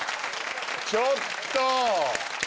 ちょっと！